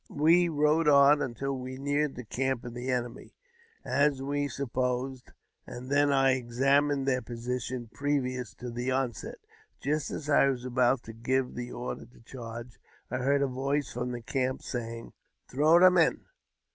We rode on until we neared the camp of the enemy, as we supposed, and then I examined their position previous to the onset. Just as I was about to give the order to charge, I heard a voice from the camp, saying, " Throw them in